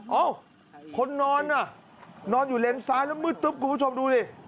เอ้าคนนอนน่ะนอนอยู่เลนซ้ายแล้วมืดตึ๊บคุณผู้ชมดูดิ